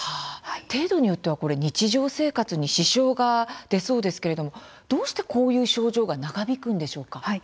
程度によっては日常生活に支障が出そうですけれども、どうしてこういう症状が長引くんですか？